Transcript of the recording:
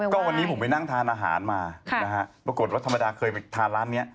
ก็วันนี้ผมไปนั่งทานอาหารมานะฮะปรากฏว่าธรรมดาเคยไปทานร้านนี้